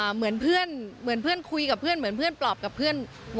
เหมือนเพื่อนคุยกับเพื่อนเหมือนเพื่อนปลอบกับเพื่อน